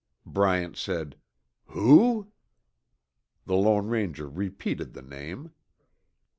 Bryant said, "Who?" The Lone Ranger repeated the name.